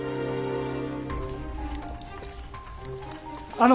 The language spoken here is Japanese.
あの。